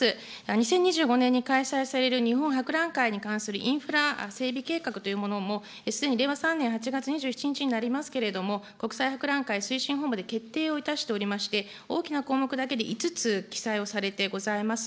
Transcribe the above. ２０２５年に開催される日本博覧会に関するインフラ整備計画というものも、すでに令和３年８月２７日になりますけれども、国際博覧会推進本部で決定をいたしておりまして、大きな項目だけで、５つ記載をされてございます。